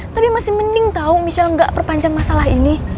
tapi masih mending tau michelle gak perpanjang masalah ini